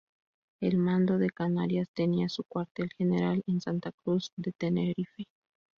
El Mando de Canarias tenía su Cuartel General en Santa Cruz de Tenerife.